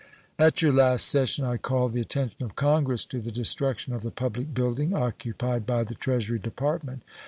At your last session I called the attention of Congress to the destruction of the public building occupied by the Treasury Department.